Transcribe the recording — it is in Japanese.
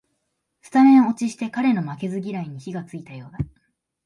スタメン落ちして彼の負けず嫌いに火がついたようだ